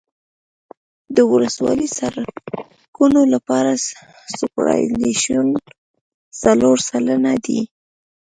د ولسوالي سرکونو لپاره سوپرایلیویشن څلور سلنه دی